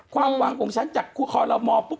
ความหวังของฉันจากคอนโลมอบ